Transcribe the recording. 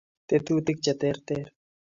tetutik cheterter